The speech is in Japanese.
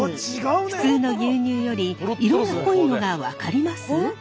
普通の牛乳より色が濃いのが分かります？